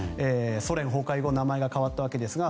ソ連崩壊後名前が変わったわけですが。